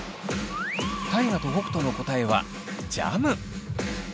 大我と北斗の答えはジャム。